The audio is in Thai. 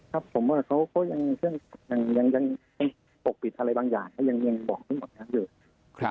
ครับผมเบิร์กก็ยังปกปิดอะไรบางอย่างยังบอกทั้งหมดอย่างเยอะ